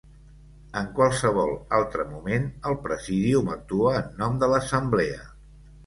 En qualsevol altre moment, el Presidium actua en nom de l'Assemblea.